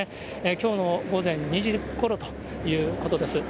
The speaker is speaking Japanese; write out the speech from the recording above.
きょうの午前２時ごろということです。